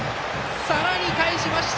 さらに返しました！